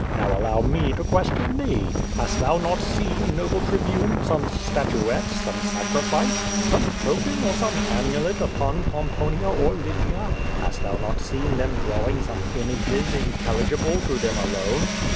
Now allow me to question thee. Hast thou not seen, noble Tribune, some statuette, some sac rifice, some token or some amulet upon Pomponia or Lygia? Hast thou not seen them drawing some images intelligible to them alone?"